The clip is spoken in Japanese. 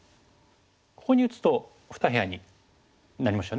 ここに打つと２部屋になりましたね。